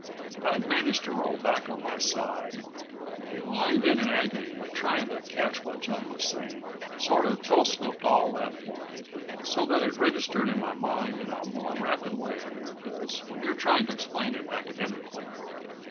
I'd managed to roll back on my side, and lying then in agony, trying to catch what Joan was saying, sort of telescoped all that for me, so that it registered in my mind in a more rapid way than it does when you're trying to explain it academically.